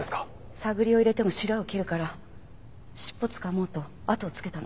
探りを入れてもしらを切るから尻尾つかもうと後をつけたの。